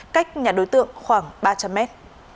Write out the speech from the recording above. cách nhà đối tượng khoảng ba trăm linh mét